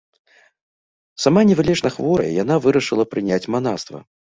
Сама невылечна хворая, яна вырашыла прыняць манаства.